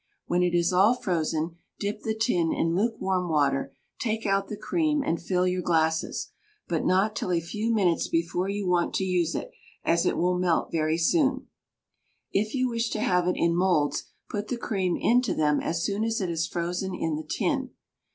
When it is all frozen, dip the tin in lukewarm water; take out the cream, and fill your glasses, but not till a few minutes before you want to use it, as it will melt very soon. If you wish to have it in moulds, put the cream into them as soon as it is frozen in the tin.